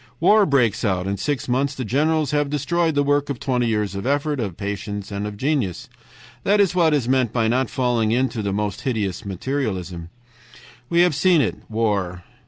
"War breaks out. In six months the generals have destroyed the work of twenty years of effort, of patience, and of genius. "That is what is meant by not falling into the most hideous materialism. "We have seen it, war.